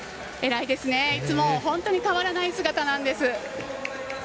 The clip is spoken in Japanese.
いつも本当に変わらない姿なんです。